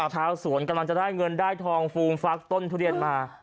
ชาวสวนกำลังจะได้เงินได้ทองฟูมฟักต้นทุเรียนมา